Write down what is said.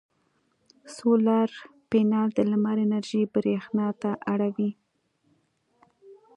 سولر پینل د لمر انرژي برېښنا ته اړوي.